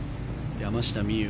山下美夢